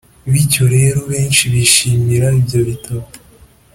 Bityo rero benshi bishimira ibyo bitabo